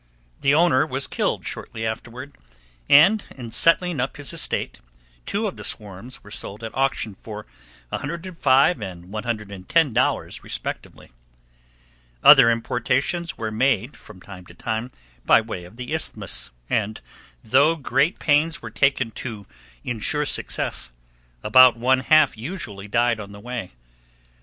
The owner was killed shortly afterward, and in settling up his estate, two of the swarms were sold at auction for $105 and $110 respectively. Other importations were made, from time to time, by way of the Isthmus, and, though great pains were taken to insure success, about one half usually died on the way.